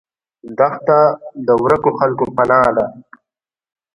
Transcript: دښته د ورکو خلکو پناه ده.